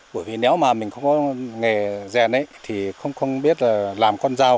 bởi vì nếu mà mình không có nghề rèn ấy thì không biết làm con dao